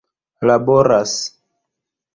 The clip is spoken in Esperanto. laboras